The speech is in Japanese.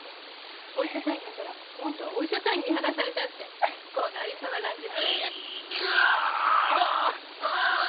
お医者さん呼んだら今度は「お医者さんに見放された」ってこの有様なんです。